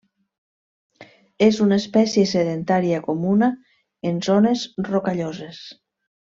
És una espècie sedentària comuna en zones rocalloses.